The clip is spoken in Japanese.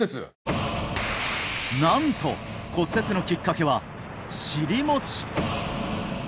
なんと骨折のきっかけは尻もち